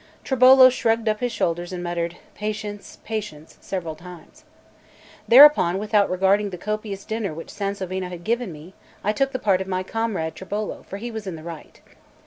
Tribolo shrugged up his shoulders and muttered: "Patience, patience," several times. Thereupon, without regarding the copious dinner which Sansovino had given me, I took the part of my comrade Tribolo, for he was in the right.